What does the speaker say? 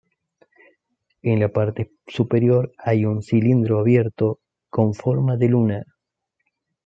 En la parte superior hay un cilindro abierto con forma de luna.